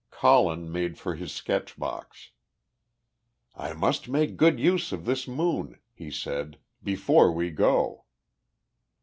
Colin made for his sketch box. "I must make good use of this moon," he said, "before we go."